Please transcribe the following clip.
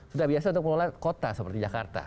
sudah biasa untuk mengelola kota seperti jakarta